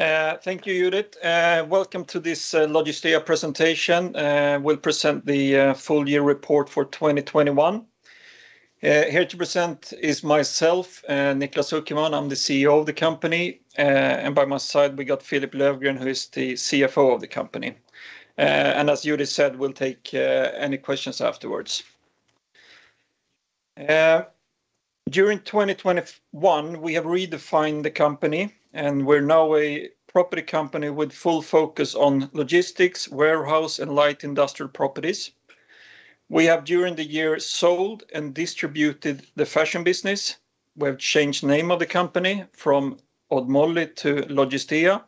Thank you, Judith. Welcome to this Logistea presentation. We'll present the full year report for 2021. Here to present is myself, Niklas Zuckerman. I'm the CEO of the company. By my side we got Philip Löfgren, who is the CFO of the company. As Judith said, we'll take any questions afterwards. During 2021, we have redefined the company, and we're now a property company with full focus on logistics, warehouse, and light industrial properties. We have during the year sold and distributed the fashion business. We have changed name of the company from Odd Molly to Logistea.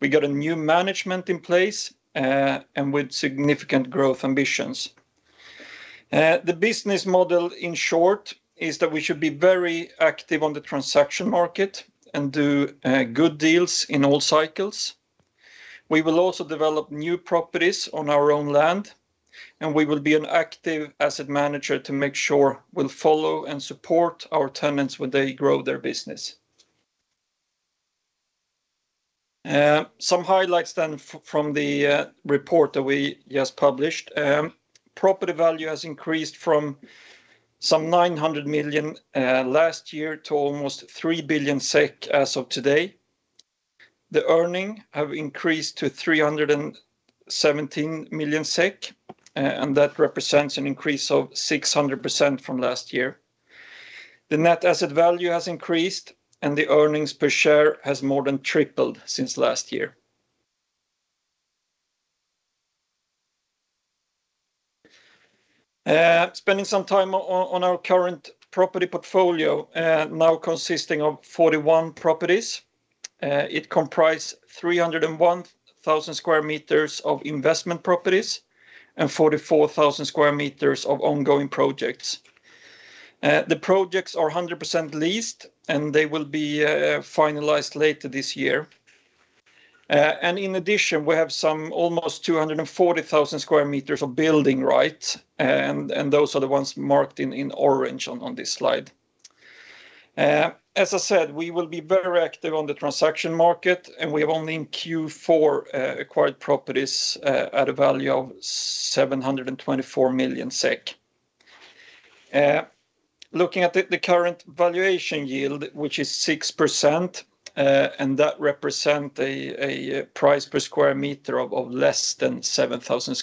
We got a new management in place, and with significant growth ambitions. The business model in short is that we should be very active on the transaction market and do good deals in all cycles. We will also develop new properties on our own land, and we will be an active asset manager to make sure we'll follow and support our tenants when they grow their business. Some highlights from the report that we just published. Property value has increased from some 900 million last year to almost 3 billion SEK as of today. The earnings have increased to 317 million SEK, and that represents an increase of 600% from last year. The net asset value has increased, and the earnings per share has more than tripled since last year. Spending some time on our current property portfolio, now consisting of 41 properties. It comprises 301,000 sq m of investment properties and 44,000 sq m of ongoing projects. The projects are 100% leased, and they will be finalized later this year. In addition, we have some almost 240,000 sq m of building rights, and those are the ones marked in orange on this slide. As I said, we will be very active on the transaction market, and we have only in Q4 acquired properties at a value of 724 million SEK. Looking at the current valuation yield, which is 6%, and that represent a price per square meter of less than 7,000.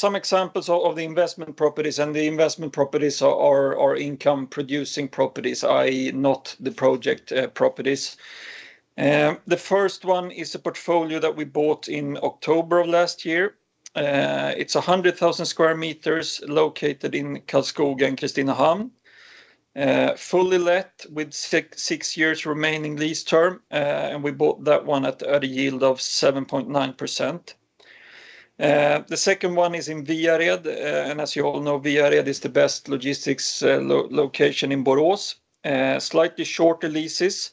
Some examples of the investment properties, and the investment properties are income-producing properties, i.e. not the project properties. The first one is a portfolio that we bought in October of last year. It's 100,000 sq m located in Karlskoga and Kristinehamn. Fully let with six years remaining lease term, and we bought that one at a yield of 7.9%. The second one is in Viared, and as you all know, Viared is the best logistics location in Borås. Slightly shorter leases,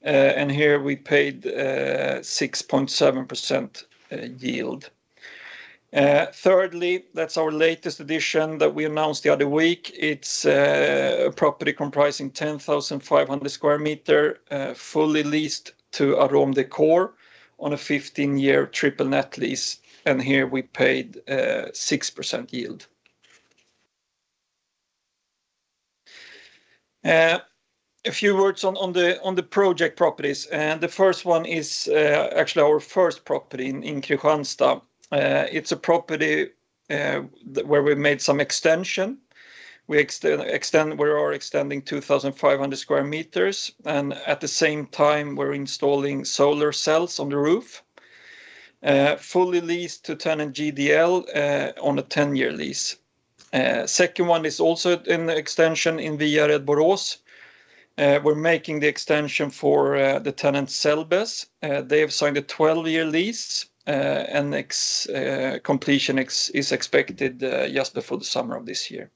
and here we paid 6.7% yield. Thirdly, that's our latest addition that we announced the other week. It's a property comprising 10,500 sq m, fully leased to Arom-Dekor on a 15-year triple net lease, and here we paid 6% yield. A few words on the project properties. The first one is actually our first property in Kristianstad. It's a property where we made some extension. We are extending 2,500 sq m, and at the same time, we're installing solar cells on the roof. Fully leased to tenant GDL on a 10-year lease. Second one is also an extension in Viared, Borås. We're making the extension for the tenant Cellbes. They have signed a 12-year lease, and completion is expected just before the summer of this year.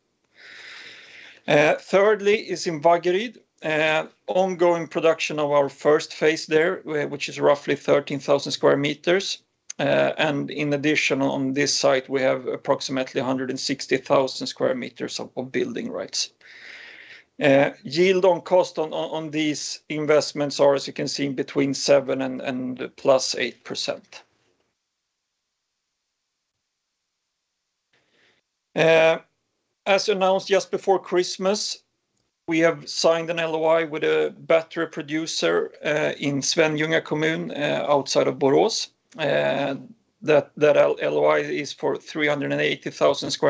Thirdly is in Vaggeryd. Ongoing production of our first phase there, which is roughly 13,000 sq m. In addition on this site, we have approximately 160,000 sq m of building rights. Yield on cost on these investments are, as you can see, between 7% and +8%. As announced just before Christmas, we have signed an LOI with a battery producer in Svenljunga Kommun outside of Borås. That LOI is for 380,000 sq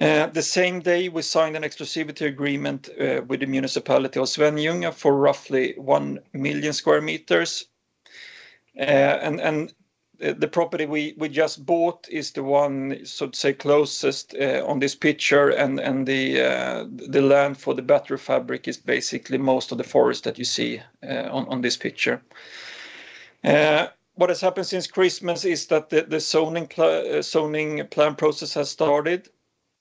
m. The same day, we signed an exclusivity agreement with the municipality of Svenljunga for roughly 1 million sq m. The property we just bought is the one, so to say, closest on this picture, and the land for the battery factory is basically most of the forest that you see on this picture. What has happened since Christmas is that the zoning plan process has started,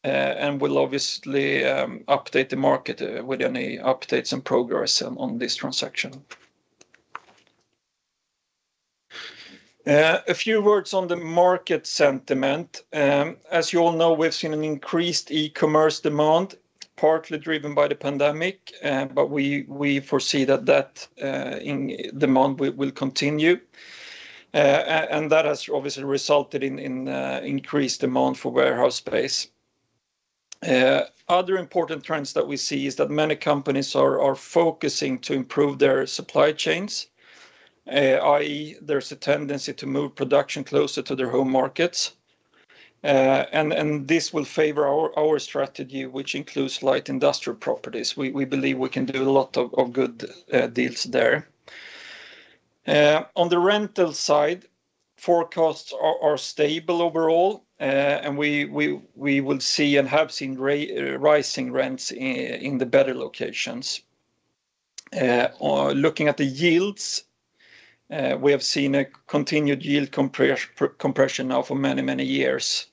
and we'll obviously update the market with any updates and progress on this transaction. A few words on the market sentiment. As you all know, we've seen an increased e-commerce demand partly driven by the pandemic, but we foresee that in demand will continue. That has obviously resulted in increased demand for warehouse space. Other important trends that we see is that many companies are focusing to improve their supply chains, i.e., there's a tendency to move production closer to their home markets. This will favor our strategy which includes light industrial properties. We believe we can do a lot of good deals there. On the rental side, forecasts are stable overall. We will see and have seen rising rents in the better locations. On looking at the yields, we have seen a continued yield compression now for many years.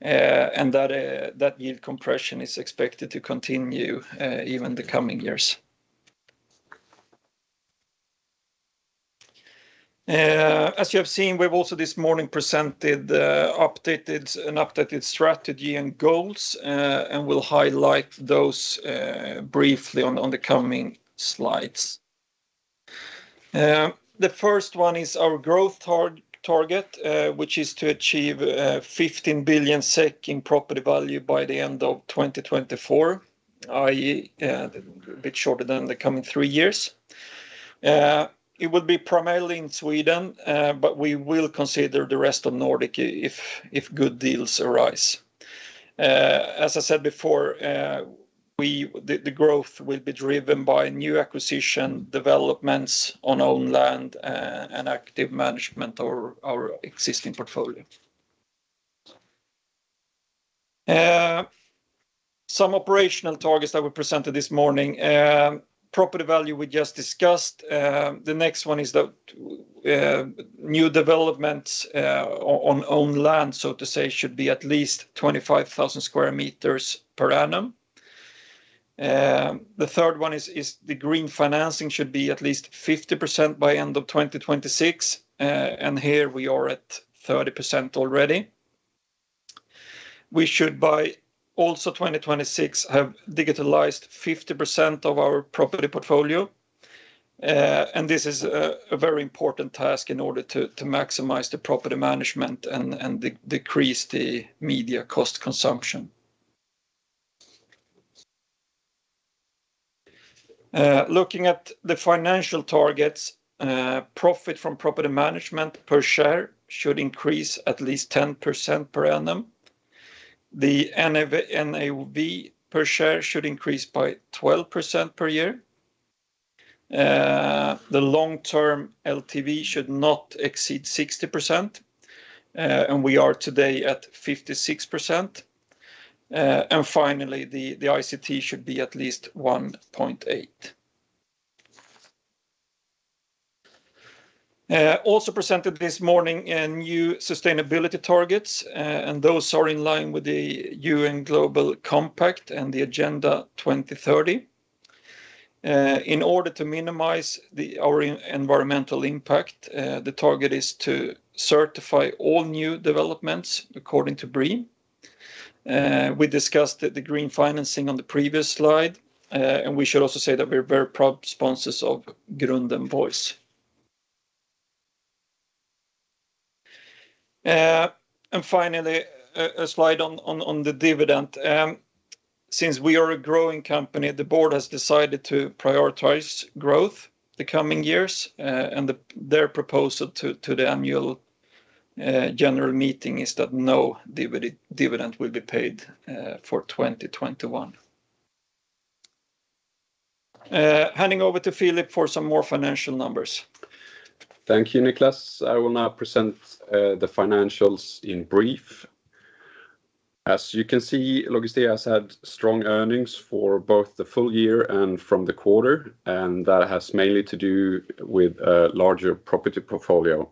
That yield compression is expected to continue even the coming years. As you have seen, we've also this morning presented an updated strategy and goals, and we'll highlight those briefly on the coming slides. The first one is our growth target, which is to achieve 15 billion SEK in property value by the end of 2024, i.e., a bit shorter than the coming three years. It would be primarily in Sweden, but we will consider the rest of Nordic if good deals arise. As I said before, the growth will be driven by new acquisitions, developments on owned land and active management of our existing portfolio. Some operational targets that were presented this morning. Property value we just discussed. The next one is the new developments on owned land, so to say, should be at least 25,000 sq m per annum. The third one is the green financing should be at least 50% by end of 2026. And here we are at 30% already. We should also by 2026 have digitalized 50% of our property portfolio. This is a very important task in order to maximize the property management and decrease the energy consumption. Looking at the financial targets, profit from property management per share should increase at least 10% per annum. The NAV per share should increase by 12% per year. The long-term LTV should not exceed 60%, and we are today at 56%. Finally, the ICT should be at least 1.8. We also presented this morning new sustainability targets, and those are in line with the UN Global Compact and the Agenda 2030. In order to minimize our environmental impact, the target is to certify all new developments according to BREEAM. We discussed the green financing on the previous slide. We should also say that we're very proud sponsors of Grunden Bois. Finally, a slide on the dividend. Since we are a growing company, the board has decided to prioritize growth the coming years. Their proposal to the annual general meeting is that no dividend will be paid for 2021. Handing over to Philip for some more financial numbers. Thank you, Niklas. I will now present the financials in brief. As you can see, Logistea has had strong earnings for both the full year and from the quarter, and that has mainly to do with a larger property portfolio.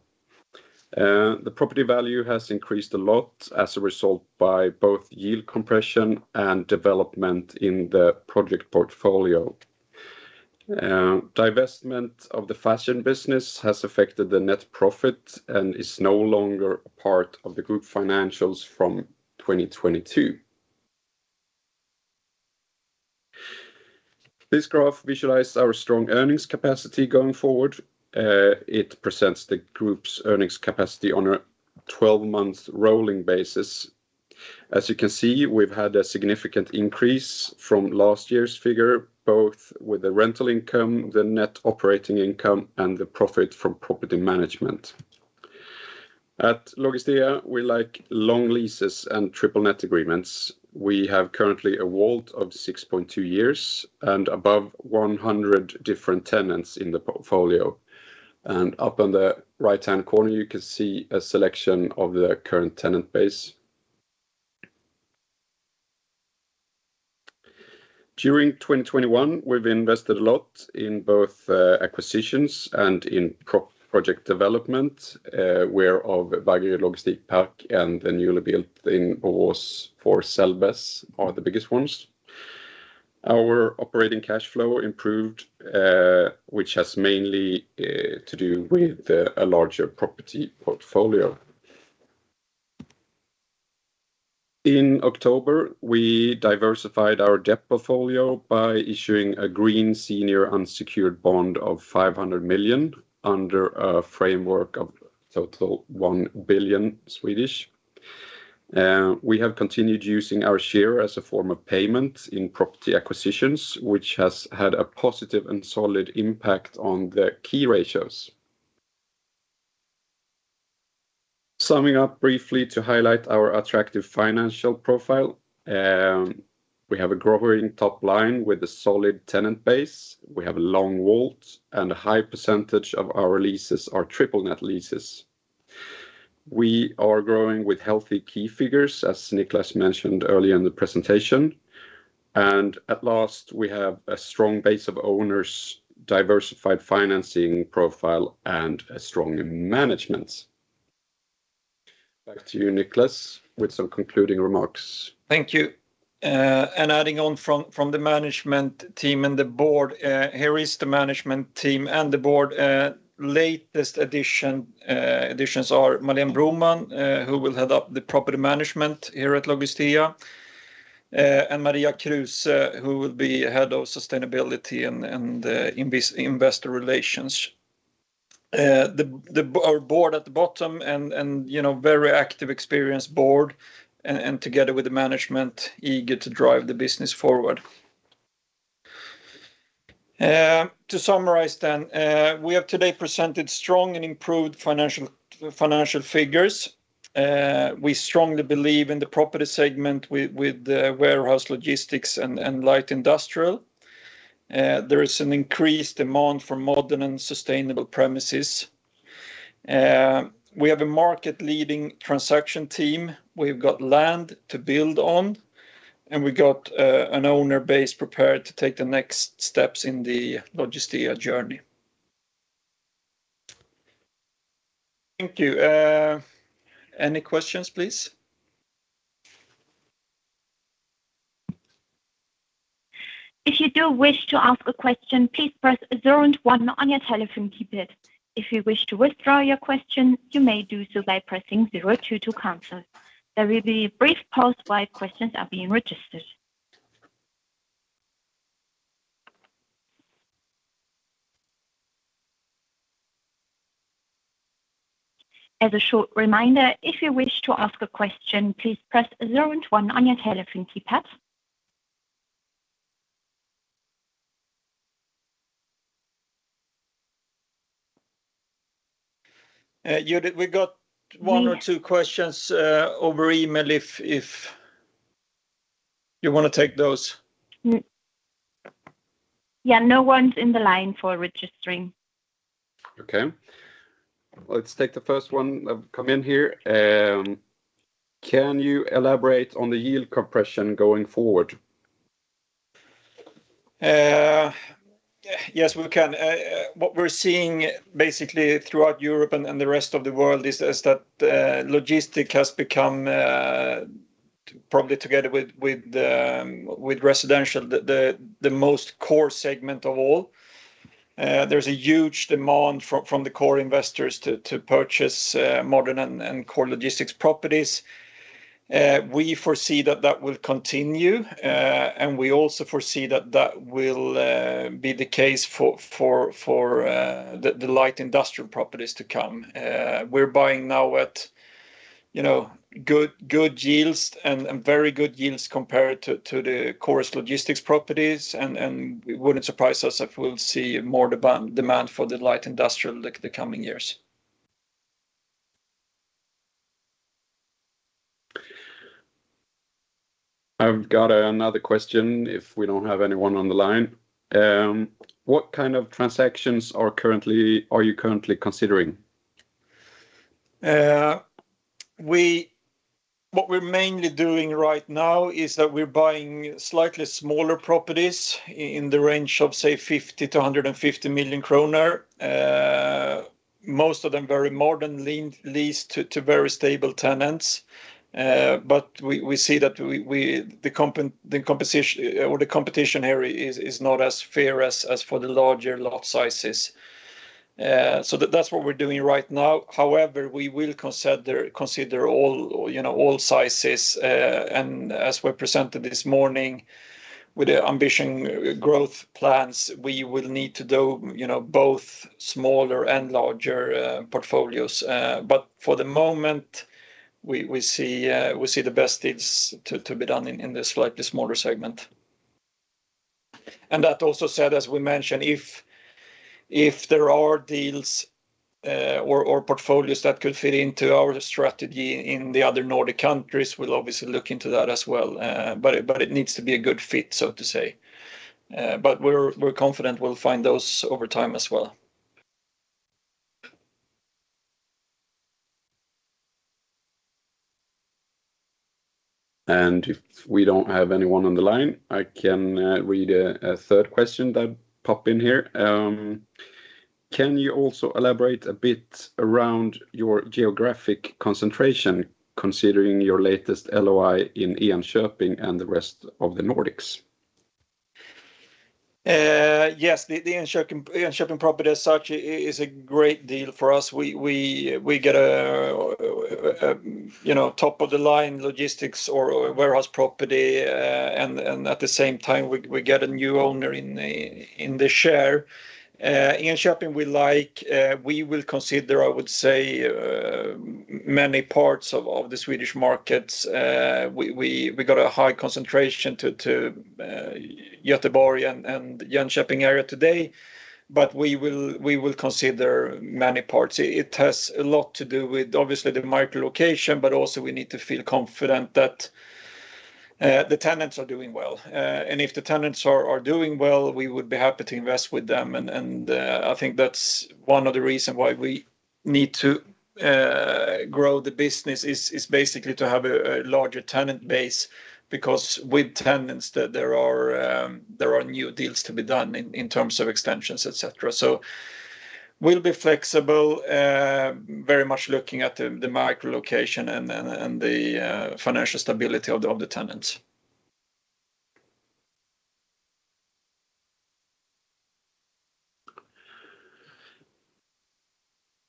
The property value has increased a lot as a result by both yield compression and development in the project portfolio. Divestment of the fashion business has affected the net profit and is no longer a part of the group financials from 2022. This graph visualize our strong earnings capacity going forward. It presents the group's earnings capacity on a 12-month rolling basis. As you can see, we've had a significant increase from last year's figure, both with the rental income, the net operating income, and the profit from property management. At Logistea, we like long leases and triple net agreements. We have currently a WALT of 6.2 years, and above 100 different tenants in the portfolio. Up on the right-hand corner, you can see a selection of the current tenant base. During 2021, we've invested a lot in both acquisitions and in project development, whereof Vaggeryd Logistikpark and the newly built in Borås for Cellbes are the biggest ones. Our operating cash flow improved, which has mainly to do with a larger property portfolio. In October, we diversified our debt portfolio by issuing a green senior unsecured bond of 500 million under a framework of total 1 billion Swedish. We have continued using our share as a form of payment in property acquisitions, which has had a positive and solid impact on the key ratios. Summing up briefly to highlight our attractive financial profile, we have a growing top line with a solid tenant base. We have long WALT, and a high percentage of our leases are triple net leases. We are growing with healthy key figures, as Niklas mentioned earlier in the presentation. At last, we have a strong base of owners, diversified financing profile, and a strong management. Back to you, Niklas, with some concluding remarks. Thank you. Adding on from the management team and the board, here is the management team and the board. Latest additions are Maléne Broman, who will Head up the Property Management here at Logistea, and Maria Kruse, who will be Head of Sustainability and Investor Relations. Our board at the bottom, and you know, very active experienced board, and together with the management, eager to drive the business forward. To summarize, we have today presented strong and improved financial figures. We strongly believe in the property segment with the warehouse logistics and light industrial. There is an increased demand for modern and sustainable premises. We have a market-leading transaction team. We've got land to build on, and we got an owner base prepared to take the next steps in the Logistea journey. Thank you. Any questions, please? If you do wish to ask a question, please press zero and one on your telephone keypad. If you wish to withdraw your question, you may do so by pressing zero-two to cancel. There will be a brief pause while questions are being registered. As a short reminder, if you wish to ask a question, please press zero and one on your telephone keypad. Judith, we got one or two questions over email if you wanna take those. Mm-hmm. Yeah. No one's in the line f or registering. Okay. Let's take the first one that come in here. Can you elaborate on the yield compression going forward? Yes, we can. What we're seeing basically throughout Europe and the rest of the world is that logistics has become probably together with residential the most core segment of all. There's a huge demand from the core investors to purchase modern and core logistics properties. We foresee that will continue. We also foresee that will be the case for the light industrial properties to come. We're buying now at, you know, good yields and very good yields compared to the core logistics properties. It wouldn't surprise us if we'll see more demand for the light industrial the coming years. I've got another question if we don't have anyone on the line. What kind of transactions are you currently considering? What we're mainly doing right now is that we're buying slightly smaller properties in the range of, say, 50 million-150 million kronor. Most of them are very modern, leased to very stable tenants. We see that the composition or the competition area is not as fierce as for the larger lot sizes. That's what we're doing right now. However, we will consider all, you know, all sizes. As we presented this morning with the ambitious growth plans, we will need to do, you know, both smaller and larger portfolios. For the moment, we see the best deals to be done in the slightly smaller segment. That also said, as we mentioned, if there are deals or portfolios that could fit into our strategy in the other Nordic countries, we'll obviously look into that as well. But it needs to be a good fit, so to say. But we're confident we'll find those over time as well. If we don't have anyone on the line, I can read a third question that pops in here. Can you also elaborate a bit around your geographic concentration considering your latest LOI in Enköping and the rest of the Nordics? Yes, the Enköping property as such is a great deal for us. We get a you know top of the line logistics or warehouse property, and at the same time we get a new owner in the share. Enköping we like, we will consider, I would say, many parts of the Swedish markets. We got a high concentration to Gothenburg and Enköping area today, but we will consider many parts. It has a lot to do with obviously the micro location, but also we need to feel confident that the tenants are doing well. And if the tenants are doing well, we would be happy to invest with them. I think that's one of the reason why we need to grow the business is basically to have a larger tenant base because with tenants there are new deals to be done in terms of extensions, et cetera. We'll be flexible very much looking at the micro location and the financial stability of the tenants.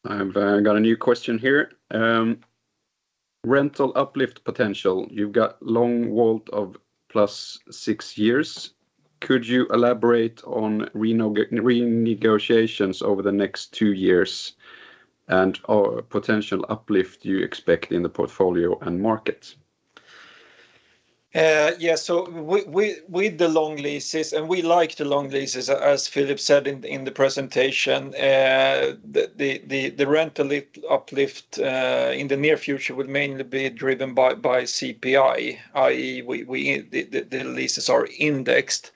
I've got a new question here. Rental uplift potential. You've got long WALT of +6 years. Could you elaborate on renegotiations over the next two years and or potential uplift you expect in the portfolio and market? Yeah. We with the long leases, and we like the long leases, as Philip said in the presentation, the rental uplift in the near future would mainly be driven by CPI, i.e., the leases are indexed.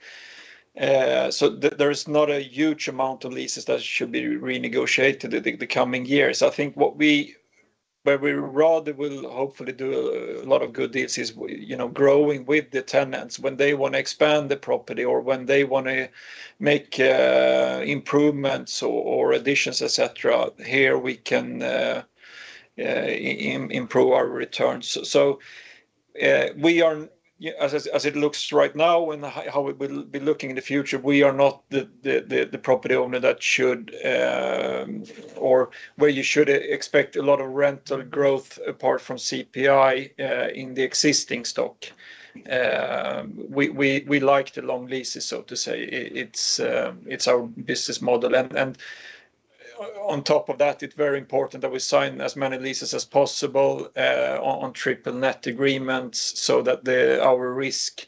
There is not a huge amount of leases that should be renegotiated in the coming years. I think where we rather will hopefully do a lot of good deals is, you know, growing with the tenants when they want to expand the property or when they want to make improvements or additions, et cetera. Here we can improve our returns. We are, as it looks right now and how we will be looking in the future, we are not the property owner that should or where you should expect a lot of rental growth apart from CPI in the existing stock. We like the long leases, so to say. It's our business model. On top of that, it's very important that we sign as many leases as possible on triple net agreements so that our risk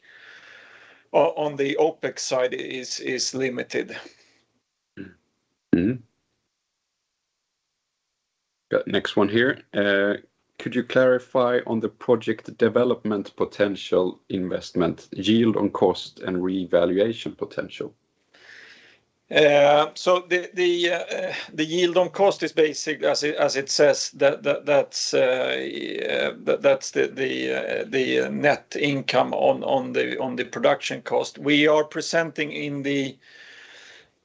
on the OpEx side is limited. Got next one here. Could you clarify on the project development potential, investment yield on cost, and revaluation potential? The yield on cost is basically, as it says, that's the net income on the project cost. We are presenting in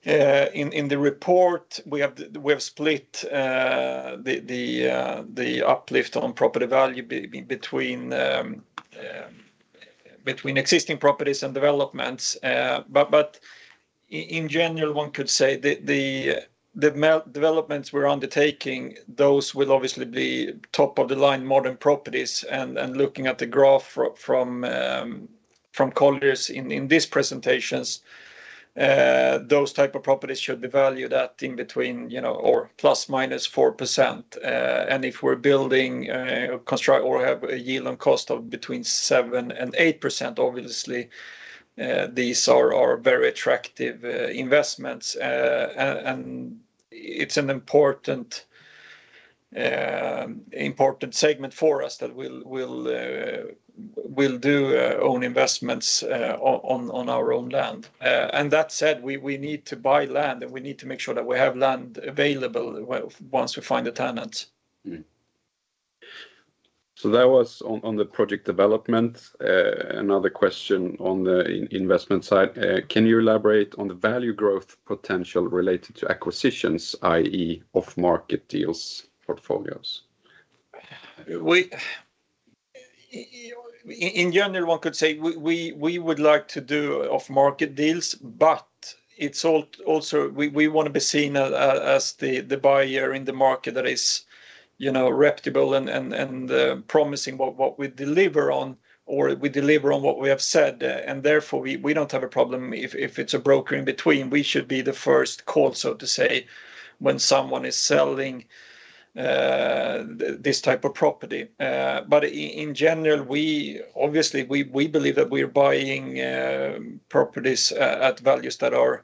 the report, we have split the uplift on property value between existing properties and developments. In general, one could say the developments we're undertaking, those will obviously be top of the line modern properties and looking at the graph from colleagues in these presentations, those type of properties should be valued at in between, you know, or ±4%. If we're building or have a yield on cost of between 7% and 8%, obviously, these are very attractive investments. It's an important segment for us that we'll do our own investments on our own land. That said, we need to buy land, and we need to make sure that we have land available once we find the tenants. Mm-hmm. That was on the project development. Another question on the investment side. Can you elaborate on the value growth potential related to acquisitions, i.e., off-market deals, portfolios? In general, one could say we would like to do off-market deals, but it's also we want to be seen as the buyer in the market that is, you know, reputable and promising what we deliver on or we deliver on what we have said. Therefore, we don't have a problem if it's a broker in between. We should be the first call, so to say, when someone is selling this type of property. In general, we obviously believe that we're buying properties at values that are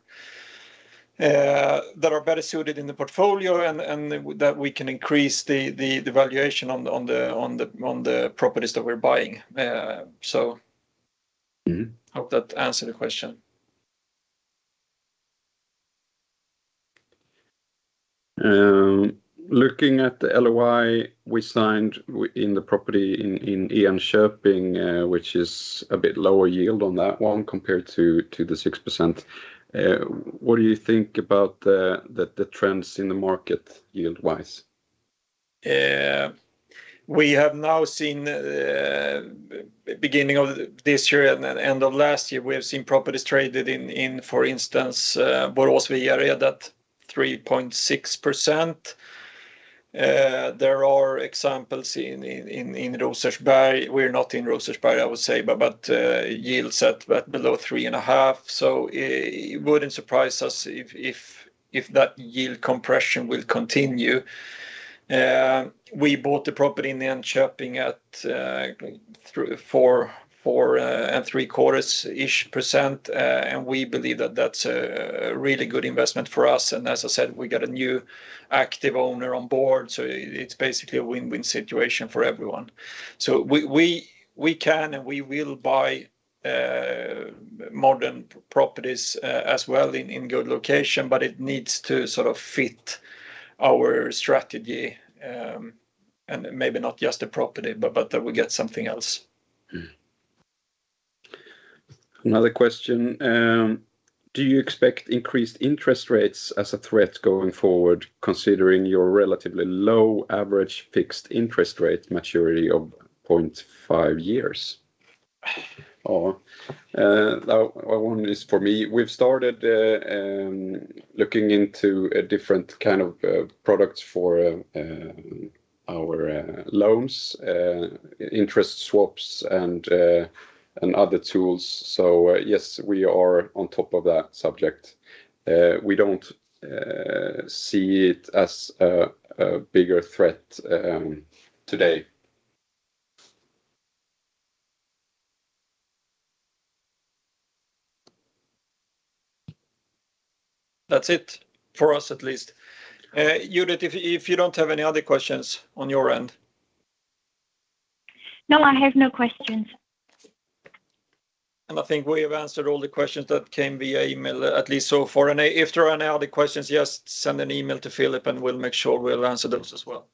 better suited in the portfolio and that we can increase the valuation on the properties that we're buying. Mm-hmm Hope that answered the question. Looking at the LOI we signed in the property in Enköping, which is a bit lower yield on that one compared to the 6%. What do you think about the trends in the market yield-wise? We have now seen, beginning of this year and then end of last year, we have seen properties traded in, for instance, Borås Viared at 3.6%. There are examples in Rosersberg. We're not in Rosersberg, I would say, but yield set at below 3.5%. It wouldn't surprise us if that yield compression will continue. We bought the property in Enköping at 4.75%-ish%. We believe that that's a really good investment for us. As I said, we got a new active owner on board, so it's basically a win-win situation for everyone. We can and we will buy modern properties as well in good location, but it needs to sort of fit our strategy. Maybe not just the property, but that we get something else. Another question. Do you expect increased interest rates as a threat going forward considering your relatively low average fixed interest rate maturity of 0.5 years? That one is for me. We've started looking into a different kind of products for our loans, interest swaps, and other tools. Yes, we are on top of that subject. We don't see it as a bigger threat today. That's it, for us at least. Judith, if you don't have any other questions on your end. No, I have no questions. I think we have answered all the questions that came via email, at least so far. If there are any other questions, just send an email to Philip, and we'll make sure we'll answer those as well.